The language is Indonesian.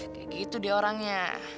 kayak gitu dia orangnya